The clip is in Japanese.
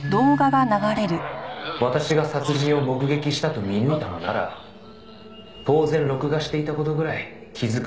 「私が殺人を目撃したと見抜いたのなら当然録画していた事ぐらい気づくべきだったな」